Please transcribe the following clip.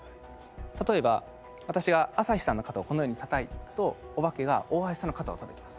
例えば私が朝日さんの肩をこのようにたたくとお化けが大橋さんの肩をたたきます。